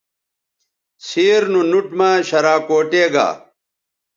سیر نو نُوٹ مہ شراکوٹے گا